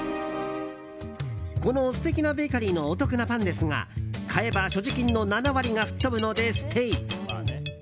この素敵なベーカリーのお得なパンですが買えば所持金の７割が吹っ飛ぶのでステイ。